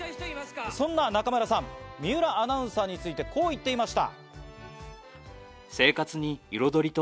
その中村さん、水卜アナウンサーについて、こう言っていました。